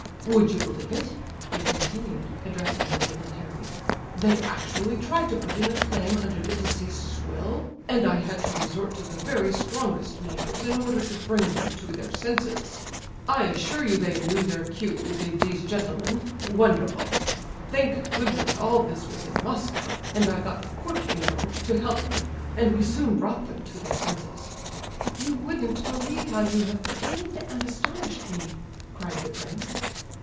Would you believe it," he continued, addressing the dignitary, "they actually tried to put in a claim under the deceased's will, and I had to resort to the very strongest measures in order to bring them to their senses? I assure you they knew their cue, did these gentlemen—wonderful! Thank goodness all this was in Moscow, and I got the Court, you know, to help me, and we soon brought them to their senses." "You wouldn't believe how you have pained and astonished me," cried the prince.